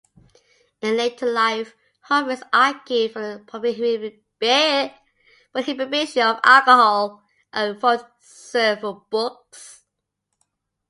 In later life, Humphreys argued for the prohibition of alcohol and wrote several books.